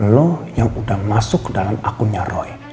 lo yang udah masuk dalam akunnya roy